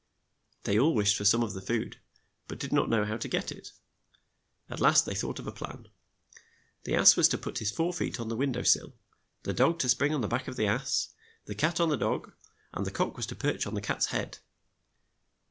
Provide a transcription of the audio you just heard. They all wished for some of the food, but did not know how to get it. At last they thought of a plan. The ass was to put his fore feet on the win dow sill, the dog to spring on the back of the ass, the cat on the dog, and the cock was to perch on the cat's head.